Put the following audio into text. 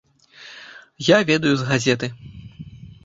Я ведаю з газеты.